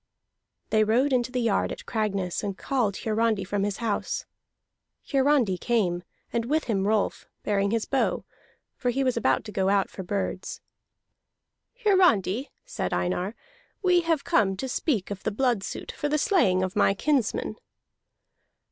They rode into the yard at Cragness and called Hiarandi from his house. Hiarandi came, and with him Rolf, bearing his bow, for he was about to go out for birds. "Hiarandi," said Einar, "we have come to speak of the blood suit for the slaying of my kinsman."